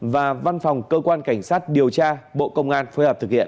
và văn phòng cơ quan cảnh sát điều tra bộ công an phối hợp thực hiện